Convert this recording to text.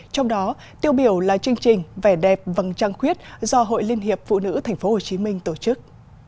trong đó tiêu biểu là chương trình vẻ đẹp vầng trăng khuyết do hội liên hiệp phụ nữ tp hcm tổ chức